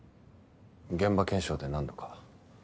現場検証で何度か。